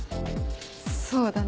そうだね。